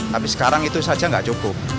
tapi sekarang itu saja nggak cukup